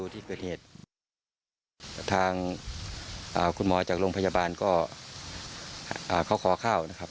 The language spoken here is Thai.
ทางคุณหมอจากโรงพยาบาลก็เขาขอข้าวนะครับ